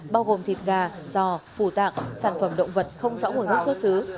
bao gồm thịt gà giò phủ tạng sản phẩm động vật không rõ nguồn gốc xuất xứ